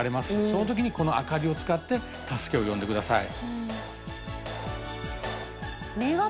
そういう時にこの明かりを使って助けを呼んでください。